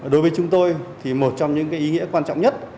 đối với chúng tôi thì một trong những ý nghĩa quan trọng nhất